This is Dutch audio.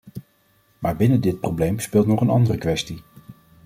Maar binnen dit probleem speelt nog een andere kwestie.